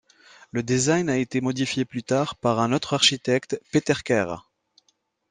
Le design a été modifié plus tard par un autre architecte, Peter Kerr.